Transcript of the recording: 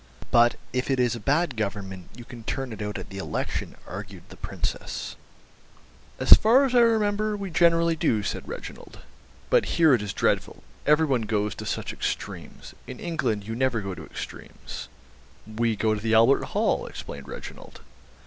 "But if it is a bad Government you can turn it out at the elections," argued the Princess. "As far as I remember, we generally do," said Reginald. "But here it is dreadful, every one goes to such extremes. In England you never go to extremes." "We go to the Albert Hall," explained Reginald.